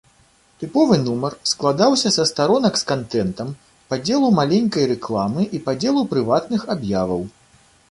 Тыповы нумар складаўся са старонак з кантэнтам, падзелу маленькай рэкламы і падзелу прыватных аб'яваў.